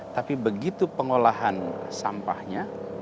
tapi begitu pengolahan sampahnya